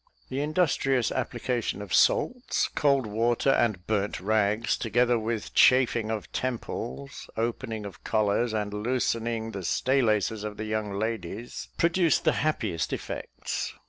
The industrious application of salts, cold water, and burnt rags, together with chafing of temples, opening of collars, and loosening the stay laces of the young ladies, produced the happiest effects.